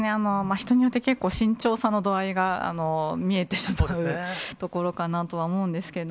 人によって結構慎重さの度合いが見えてしまうところかなとは思うんですけど。